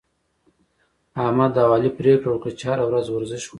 احمد او علي پرېکړه وکړه، چې هره ورځ ورزش وکړي